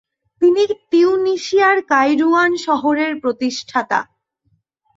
তিনি তিউনিসিয়ার কাইরুয়ান শহরের প্রতিষ্ঠাতা।